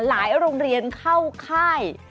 โรงเรียนเข้าค่าย